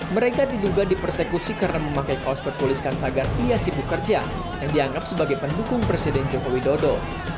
mereka diduga dipersekusi karena memakai kaos berkuliskan tagar piasibu kerja yang dianggap sebagai pendukung presiden jokowi dodo